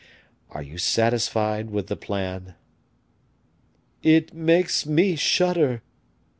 Are you satisfied with the plan?" "It makes me shudder."